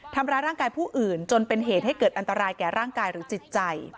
ทำร้ายร่างกายผู้อื่นจนเป็นเหตุให้เกิดอันตรายแก่ร่างกายหรือจิตใจ